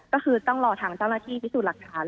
ก็คือต้องรอทางเจ้าหน้าที่พิสูจน์หลักฐาน